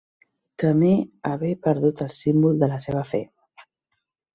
Temé haver perdut el símbol de la seva fe.